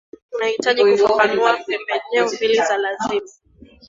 unahitaji kufafanua pembejeo mbili za lazima